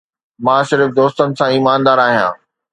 مان صرف دوستن سان ايماندار آهيان